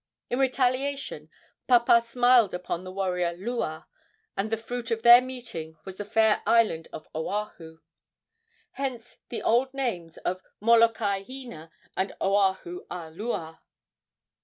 In retaliation Papa smiled upon the warrior Lua, and the fruit of their meeting was the fair island of Oahu. Hence the old names of Molokai Hina and Oahu a Lua.